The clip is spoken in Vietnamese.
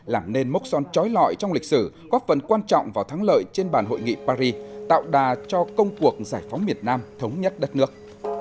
làm nên mốc son trói lọi trong lịch sử góp phần quan trọng vào thắng lợi trên bàn hội nghị paris tạo đà cho công cuộc giải phóng miền nam thống nhất đất nước